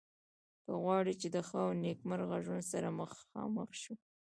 که غواړو چې د ښه او نیکمرغه ژوند سره مخامخ شو.